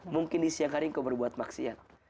mungkin di siang hari engkau berbuat maksiat